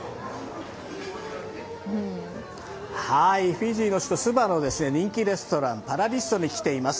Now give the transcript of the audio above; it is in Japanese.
フィジーの首都スバの人気レストランに来ています。